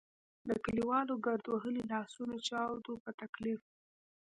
د کلیوالو ګرد وهلي لاسونه چاود وو په تکلیف.